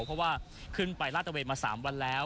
เพราะว่าขึ้นไปลาดตะเวนมา๓วันแล้ว